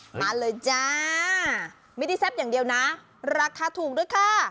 มาเลยจ้าไม่ได้แซ่บอย่างเดียวนะราคาถูกด้วยค่ะ